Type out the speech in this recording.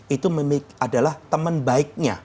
itu adalah teman baiknya